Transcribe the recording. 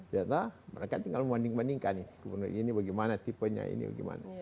ternyata mereka tinggal membanding bandingkan nih gubernur ini bagaimana tipenya ini bagaimana